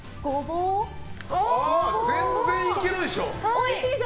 全然いけるでしょ。